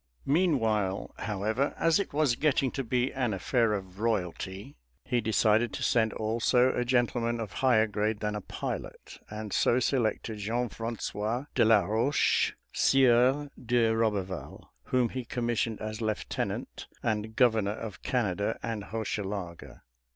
Meanwhile, however, as it was getting to be an affair of royalty, he decided to send also a gentleman of higher grade than a pilot, and so selected Jean François de la Roche, Sieur de Roberval, whom he commissioned as lieutenant and governor of Canada and Hochelaga.